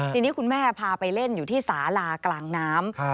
ทีนี้คุณแม่พาไปเล่นอยู่ที่สาลากลางน้ำ